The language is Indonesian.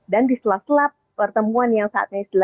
dan diselat selat pertemuan yang saat ini